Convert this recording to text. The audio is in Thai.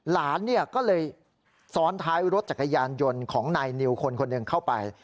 หลานก็เลยซ้อนท้ายรถจักรยานยนต์ของนายนิวคนคนหนึ่งเข้าไป